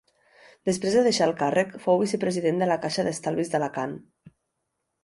Després de deixar el càrrec fou vicepresident de la Caixa d'Estalvis d'Alacant.